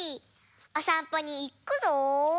おさんぽにいくぞ！